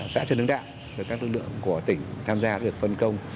xã trần đức đạ các lực lượng của tỉnh tham gia được phân công